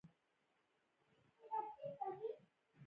د ژوند بڼه باید د هغو پر بنسټ وټاکي.